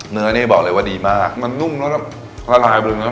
เนื้อนี่บอกเลยว่าดีมากมันนุ่มแล้วก็ละลายไปเลยเนื้อ